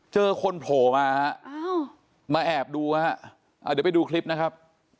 เจอคนโผล่มาฮะมาแอบดูฮะเดี๋ยวไปดูคลิปนะครับ